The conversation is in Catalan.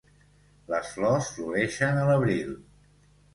Les flors floreixen a l'abril.